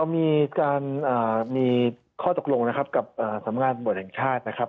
เรามีข้อตกลงนะครับกับสำรวจบทแห่งชาตินะครับ